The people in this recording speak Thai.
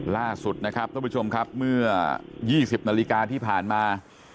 ล่าสุดนะครับท่านผู้ชมครับเมื่อ๒๐นาฬิกาที่ผ่านมา